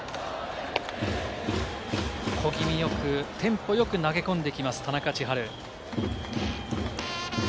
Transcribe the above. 小気味よく、テンポよく投げ込んでいきます、田中千晴。